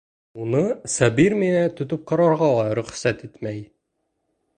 Уны Сабир миңә тотоп ҡарарға ла рөхсәт итмәй.